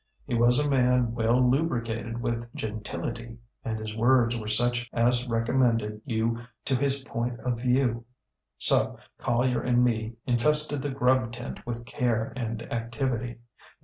He was a man well lubricated with gentility, and his words were such as recommended you to his point of view. So, Collier and me infested the grub tent with care and activity.